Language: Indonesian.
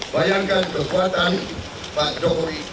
bayangkan kekuatan pak jokowi